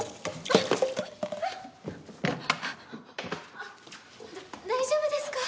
あっ大丈夫ですか？